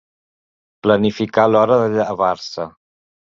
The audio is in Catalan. Planificar l’hora de llevar-se.